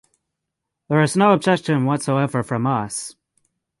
There is no objection whatsoever from us.